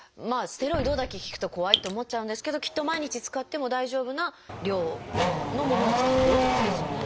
「ステロイド」だけ聞くと怖いって思っちゃうんですけどきっと毎日使っても大丈夫な量のものを使ってるってことですよね。